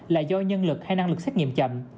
là do nhân lực hay năng lực xét nghiệm chậm